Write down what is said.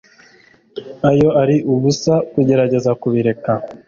iyo ari ubusa kugerageza kubireka